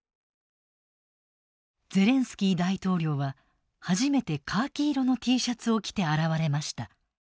ゼレンスキー大統領は初めてカーキ色のＴシャツを着て現れました。